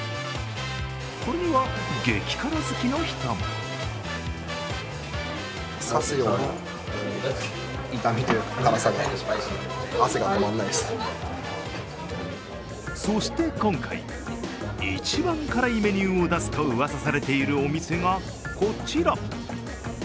これには激辛好きの人もそして今回一番辛いメニューを出すとうわさされているお店がこちら。